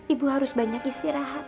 ibu harus banyak istirahat